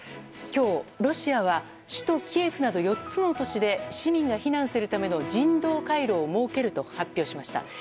今日ロシアは首都キエフなど４つの都市で市民が避難するための人道回廊を設けると発表しました。